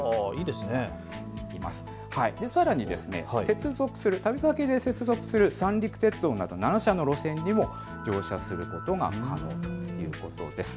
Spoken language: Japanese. さらに旅先で接続する三陸鉄道など７社の路線にも乗車することが可能ということです。